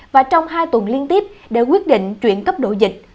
và trong hai tuần liên tiếp để quyết định chuyển cấp độ dịch